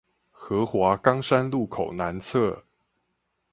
河華岡山路口南側